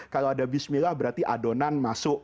kalau ada bismillah berarti adonan masuk